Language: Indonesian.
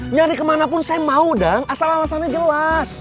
nyari kemana pun saya mau dang asal alasannya jelas